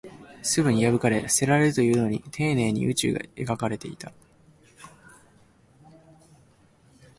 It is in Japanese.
すぐに破かれ、捨てられるというのに、丁寧に宇宙が描かれていた